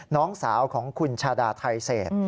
น้องสาวของคุณชาดาไทเศษ